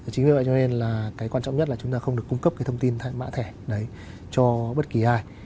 chính vì vậy cho nên là cái quan trọng nhất là chúng ta không được cung cấp cái thông tin mã thẻ đấy cho bất kỳ ai